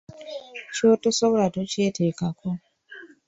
Ky'otosobola tokyeteekako.